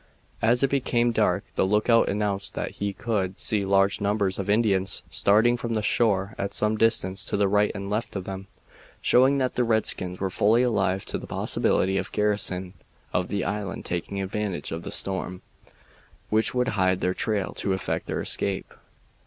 As it became dark the lookout announced that he could, see large numbers of Indians starting from the shore at some distance to the right and left of them, showing that the redskins were fully alive to the possibility of the garrison of the island taking advantage of the storm, which would hide their trail, to effect their escape.